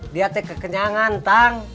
lihat kekenyangan tang